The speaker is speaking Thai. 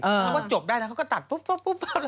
ถ้าว่าจบได้แล้วเขาก็ตัดพุบ